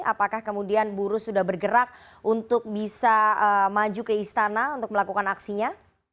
apakah kemudian buruh sudah bergerak untuk bisa maju ke istana untuk melakukan aksinya